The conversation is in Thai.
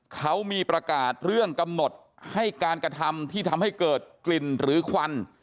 เขามีประกาศเรื่องกำหนดให้การกระทำที่ทำให้เกิดกลิ่นหรือควัน